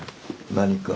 何か？